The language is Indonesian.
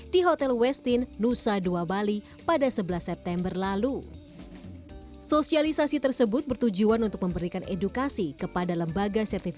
di hotel westinusa ii bali pada sebelas september